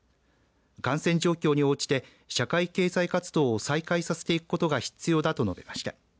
感染状況に応じて社会経済活動を再開させていくことが必要だと述べました。